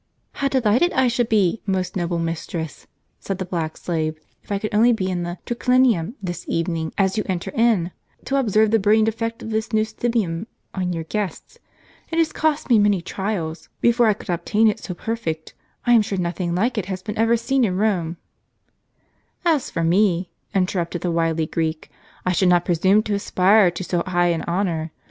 "How delighted I should be, most noble mistress," said the black slave, "if I could only be in the triclinium* this evening as you enter in, to observe the brilliant effect of this new stibium t on your guests ! It has cost me many trials A Slave. From a painting in Hercolaneum. A Slave. Prom a painting in Pompeii. before I could obtain it so perfect : I am sure nothing like it has been ever seen in Rome." " As for me," interrupted the wily Greek, " I should not presume to aspire to so high an honor.